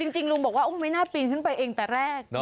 จริงลุงบอกว่าไม่น่าปีนขึ้นไปเองแต่แรก